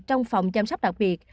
trong phòng chăm sóc đặc biệt